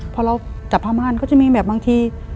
พอเราจับผ้าม่านก็จะมีแบบบางที